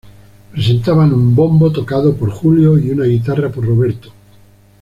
Presentaban un bombo tocado por Julio y una guitarra por Roberto.